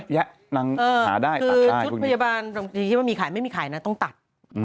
คือชุดพยาบาลที่คิดว่ามีขายไม่มีขายนะต้องตัด